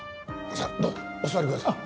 さあどうぞお座りください。